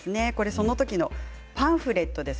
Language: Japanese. その時のパンフレットです。